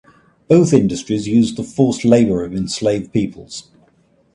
Both industries used the forced labour of enslaved peoples.